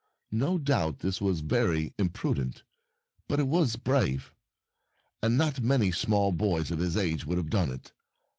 No doubt this was very impru dent, but it was brave, and not many small boys of his age would have done it.